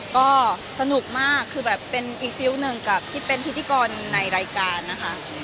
ก็สนุกมากคือแบบเป็นอีกฟิลล์หนึ่งกับที่เป็นพิธีกรในรายการนะคะ